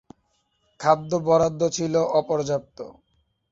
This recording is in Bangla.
খাদ্য বরাদ্দ ছিল অপর্যাপ্ত।